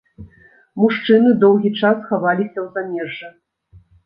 Мужчыны доўгі час хаваліся ў замежжы.